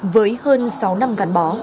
với hơn sáu năm gắn bó